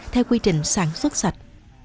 theo quy trình sản xuất sạch